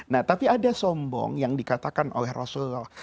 nah tapi ada sombong yang dikatakan oleh rasulullah